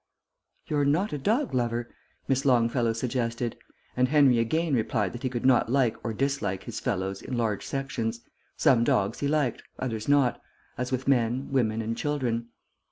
"You're not a dog lover?" Miss Longfellow suggested, and Henry again replied that he could not like or dislike his fellows in large sections; some dogs he liked, others not, as with men, women, and children.